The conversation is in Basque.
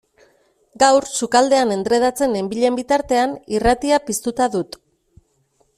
Gaur, sukaldean endredatzen nenbilen bitartean, irratia piztuta dut.